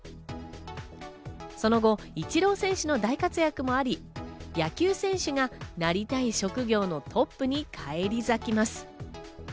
その後、イチロー選手の大活躍もあり、野球選手がなりたい職業のトップに返り咲きます。